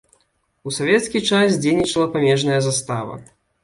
У савецкі час дзейнічала памежная застава.